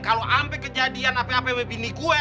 kalau sampai kejadian apa apa sama bini gue